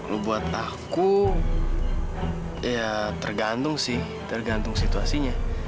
lu buat aku ya tergantung sih tergantung situasinya